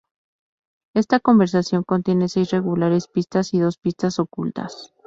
Esta conversión contiene seis regulares pistas y dos pistas ocultas.